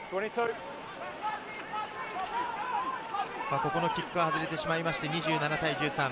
ここのキックは外れてしまいまして、２７対１３。